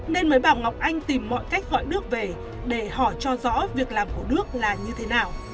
nên mới bảo ngọc anh tìm mọi cách gọi nước về để họ cho rõ việc làm của đức là như thế nào